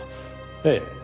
ええ。